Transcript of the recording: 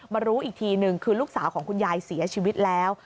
รู้อีกทีนึงคือลูกสาวของคุณยายเสียชีวิตแล้ว